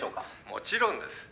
「もちろんです」